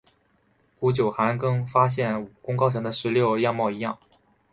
古九寒更发现武功高强的石榴样貌一样。